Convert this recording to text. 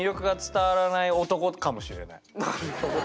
なるほど。